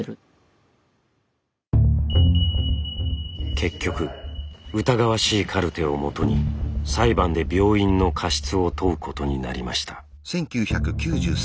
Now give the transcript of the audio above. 結局疑わしいカルテをもとに裁判で病院の過失を問うことになりました。